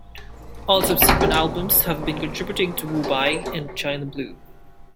All subsequent albums have been credited to Wu Bai and China Blue.